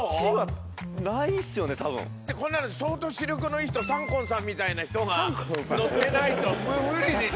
こんなの相当視力のいい人サンコンさんみたいな人が乗ってないと無理でしょう？